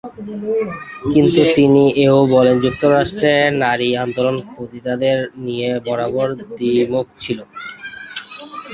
কিন্তু তিনি এও বলেন, "যুক্তরাষ্ট্রে নারী আন্দোলন পতিতাদের নিয়ে বরাবরই দ্বিমুখী ছিল"।